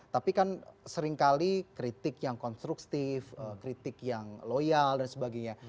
tapi kan seringkali kritik yang konstruktif kritik yang loyal dan sebagainya